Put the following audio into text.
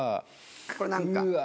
これ何巻？